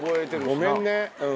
ごめんね。